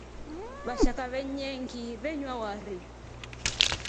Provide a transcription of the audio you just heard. Vashaka venyengi venywa wari.